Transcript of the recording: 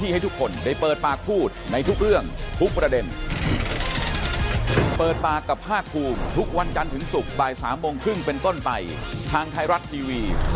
หมดเวลาของเปิดปากกับภาคภูมินะครับพบกันใหม่พรุ่งนี้บ่าย๓๓๐ครับ